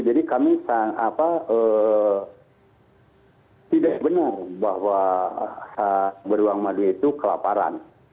jadi kami apa tidak benar bahwa beruang madu itu kelaparan